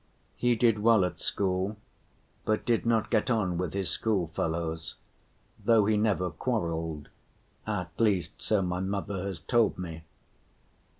He did well at school, but did not get on with his schoolfellows, though he never quarreled, at least so my mother has told me.